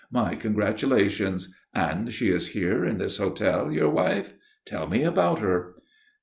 My congratulations. And she is here, in this hotel, your wife? Tell me about her."